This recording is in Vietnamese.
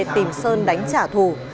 tìm sơn đánh trả thù